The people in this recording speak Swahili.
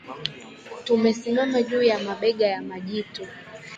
tumesimama juu ya mabega ya majitu